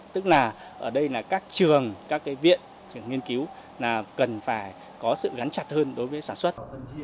tức là ở đây là các trường các viện các nghiên cứu cần phải có sự gắn chặt hơn đối với sản xuất